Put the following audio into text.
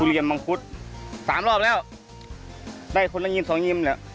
ทุเรียนมงคุศ๓รอบแล้วได้คนละยิ้ม๒ยิ้ม